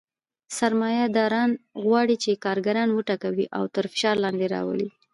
سرمایه داران غواړي چې کارګران وټکوي او تر فشار لاندې راولي